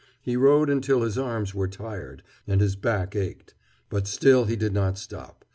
He rowed until his arms were tired and his back ached. But still he did not stop.